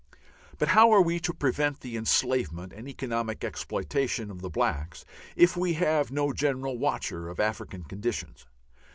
But how are we to prevent the enslavement and economic exploitation of the blacks if we have no general watcher of African conditions?